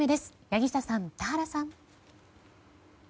柳下さん、田原さん。